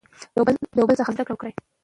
له یو بل څخه زده کړه وکړئ.